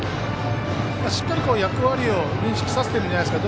しっかり役割を認識させているんじゃないんですか。